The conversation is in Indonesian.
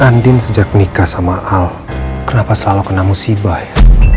andin sejak menikah sama al kenapa selalu kena musibah ya